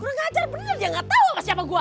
kurang ngajar bener dia gak tau apa siapa gua